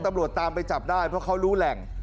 ตำรวจตามไปจับได้เพราะเขารู้แหล่ง